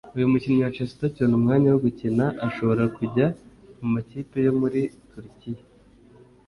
Uyu mukinnyi wa Chelsea utakibona umwanya wo gukina ashobora kujya mu makipe yo muri Turikiya